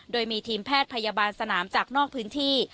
โดยมีทีมแพทย์พยาบาลสนามจากนอกพื้นที่